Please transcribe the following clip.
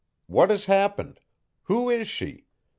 What has happened? Who is she?